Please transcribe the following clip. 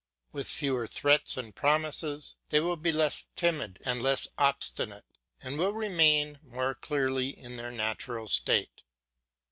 With fewer threats and promises, they will be less timid and less obstinate, and will remain more nearly in their natural state.